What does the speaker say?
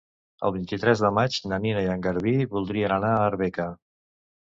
El vint-i-tres de maig na Nina i en Garbí voldrien anar a Arbeca.